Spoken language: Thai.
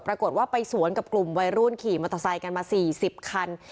ปรากฏว่าไปสวนกับกลุ่มวัยรุ่นขี่มอเตอร์ไซค์กันมา๔๐คัน